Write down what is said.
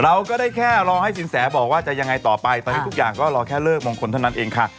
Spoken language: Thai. เราก็ได้แค่รอให้สินแสบอกว่าจะยังไงต่อไปตอนนี้ทุกอย่างก็รอแค่เลิกมงคลเท่านั้นเองค่ะ